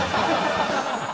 ハハハハ！